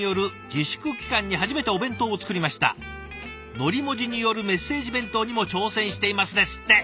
海苔文字によるメッセージ弁当にも挑戦しています」ですって。